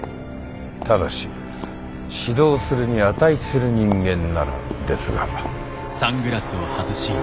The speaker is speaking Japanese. ただし指導するに値する人間ならですが。